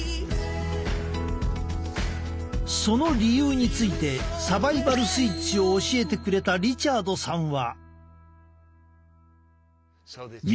その理由についてサバイバル・スイッチを教えてくれたリチャードさんは。